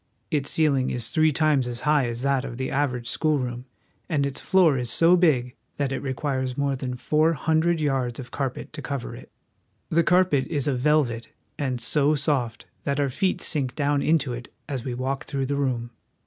Its ceiling is three times as high as that of the average schoolroom, and its floor is so big that it re quires more than four hundred yards of carpet to cover it. The carpet is of velvet, and so soft that our feet sink down into it as we walk through the room.